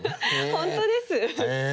本当です。